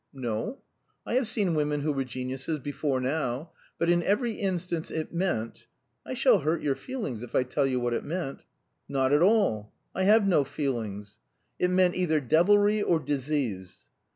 "No? I have seen women who were geniuses, before now; but in every instance it meant I shall hurt your feelings if I tell you what it meant." "Not at all. I have no feelings." "It meant either devilry or disease."